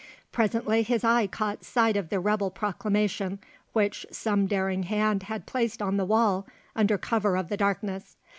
Presently his eye caught sight of the rebel proclamation which some daring hand had placed on the wall under cover of the darkness.